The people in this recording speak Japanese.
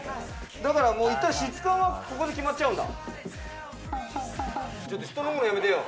だから質感はここで決まっちゃうんだ。